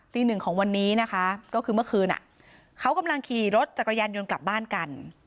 หนึ่งของวันนี้นะคะก็คือเมื่อคืนเขากำลังขี่รถจักรยานยนต์กลับบ้านกัน